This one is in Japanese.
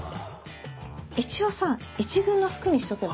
一応さ一軍の服にしとけば？